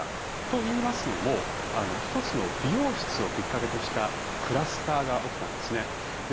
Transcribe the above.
といいますのも１つの美容室をきっかけとしたクラスターが起きたんですね。